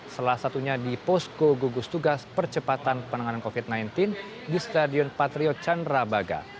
salah satunya di posko gugus tugas percepatan penanganan covid sembilan belas di stadion patriot candrabaga